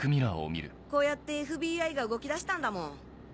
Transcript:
こうやってＦＢＩが動きだしたんだもん。